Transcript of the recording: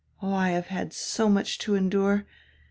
Oh, I have had so much to endure.